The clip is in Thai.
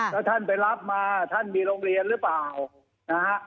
แล้วท่านไปรับมาท่านมีโรงเรียนหรือเปล่านะฮะ